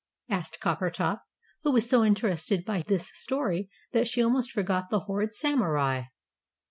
asked Coppertop, who was so interested by this story that she almost forgot the horrid Samurai.